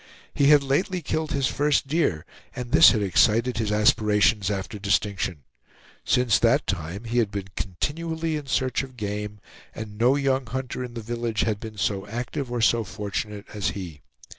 He had lately killed his first deer, and this had excited his aspirations after distinction. Since that time he had been continually in search of game, and no young hunter in the village had been so active or so fortunate as he.